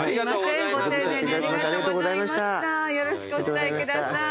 よろしくお伝えください。